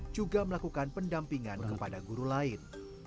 juga melakukan pendampingan kepada guru lain